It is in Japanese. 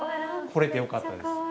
これてよかったです。